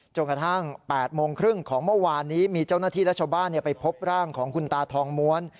กระทั่ง๘โมงครึ่งของเมื่อวานนี้มีเจ้าหน้าที่และชาวบ้านไปพบร่างของคุณตาทองม้วน